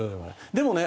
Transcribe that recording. でもね